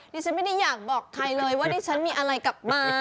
ฉันไม่ได้อยากบอกใครเลยว่าดิฉันมีอะไรกลับมา